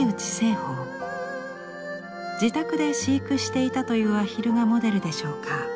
自宅で飼育していたというアヒルがモデルでしょうか？